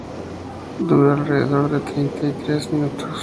Dura alrededor de treinta y tres minutos.